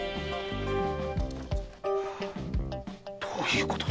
どういうことだ